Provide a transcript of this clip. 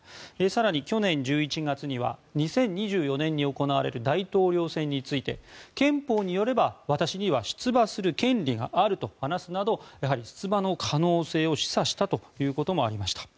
更に去年１１月には２０２４年に行われる大統領選について憲法によれば私には出馬する権利があると話すなどやはり出馬の可能性を示唆したということもありました。